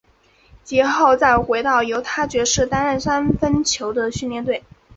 及后再回到犹他爵士担任三分球的训练员。